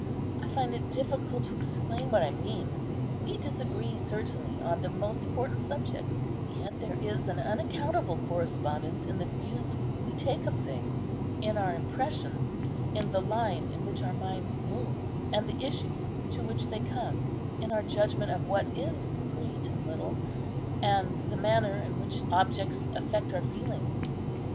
I find it difficult to explain what I mean; we disagree certainly on the most important subjects, yet there is an unaccountable correspondence in the views we take of things, in our impressions, in the line in which our minds move, and the issues to which they come, in our judgment of what is great and little, and the manner in which objects affect our feelings.